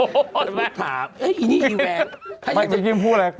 ไม่จำพูดอะไรคุณถามคุณนี่คือ